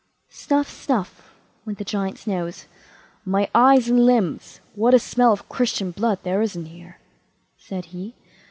Snuff—snuff, went the Giant's nose. "My eyes and limbs, what a smell of Christian blood there is in here", said he.